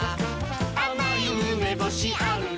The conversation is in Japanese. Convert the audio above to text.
「あまいうめぼしあるらしい」